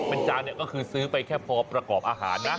เป็นจานเนี่ยก็คือซื้อไปแค่พอประกอบอาหารนะ